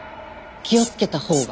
気を付けた方が。